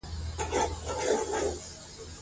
انګور د افغانستان د انرژۍ سکتور برخه ده.